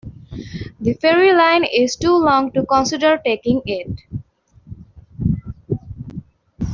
The ferry line is too long to consider taking it.